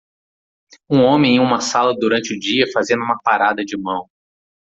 Um homem em uma sala durante o dia fazendo uma parada de mão.